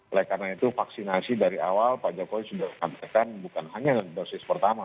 oleh karena itu vaksinasi dari awal pak jokowi sudah mengatakan bukan hanya dosis pertama